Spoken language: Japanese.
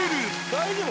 大丈夫？